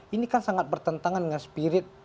ini kan sangat bertentangan dengan spirit